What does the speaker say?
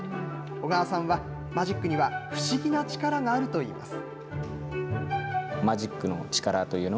緒川さんはマジックには不思議な力があるといいます。